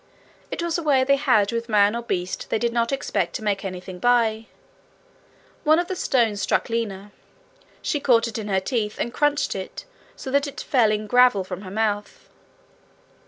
It was a way they had with man or beast they did not expect to make anything by. One of the stones struck Lina; she caught it in her teeth and crunched it so that it fell in gravel from her mouth.